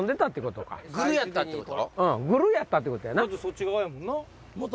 グルやったってこと？